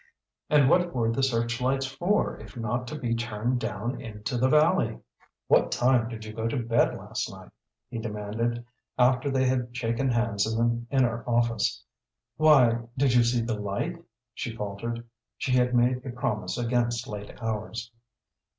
And what were the search lights for if not to be turned down into the valley? "What time did you go to bed last night?" he demanded, after they had shaken hands in the inner office. "Why did you see the light?" she faltered; she had made a promise against late hours.